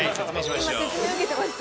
今、説明受けてました。